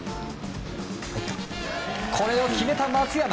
これを決めた松山。